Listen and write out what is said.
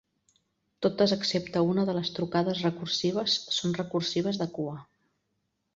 Totes excepte una de les trucades recursives són recursives de cua.